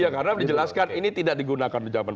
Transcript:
karena dijelaskan ini tidak digunakan di zaman